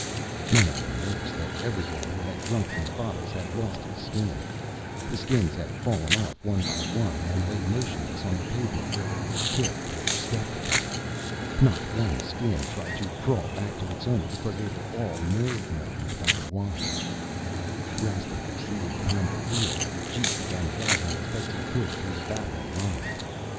None of them noticed that every one who had drunk from the bottles had lost his Skin. The Skins had fallen off one by one and lay motionless on the pavement where they were kicked or stepped upon. Not one Skin tried to crawl back to its owner because they were all nerve numbed by the wine. Rastignac, seated behind the wheel of the Jeep, began driving as best he could through the battling mob.